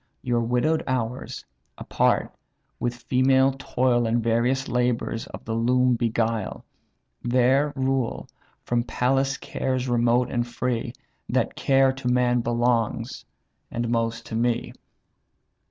Your widow'd hours, apart, with female toil And various labours of the loom beguile; There rule, from palace cares remote and free; That care to man belongs, and most to me."